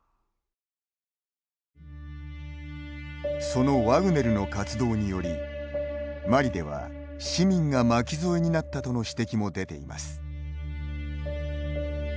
そのワグネルの活動によりマリでは市民が巻き添えになったとの指摘も出ています。